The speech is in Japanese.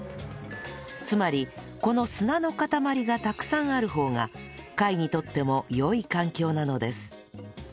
つまりこの砂の塊がたくさんある方が貝にとっても良い環境なのです